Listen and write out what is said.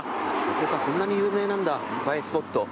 そんなに有名なんだ映えスポット。